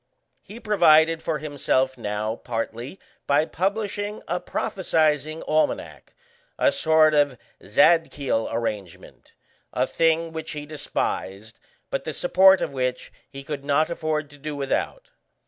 He provided for himself now partly by publishing a prophesying almanack, a sort of Zadkiel arrangement a thing which he despised, but the support of which he could not afford to do without.